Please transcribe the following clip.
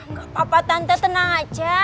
gak apa apa tante tenang aja